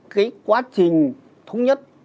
cái quá trình thống nhất